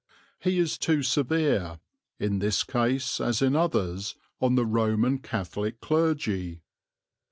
He is too severe, in this case as in others, on the Roman Catholic clergy.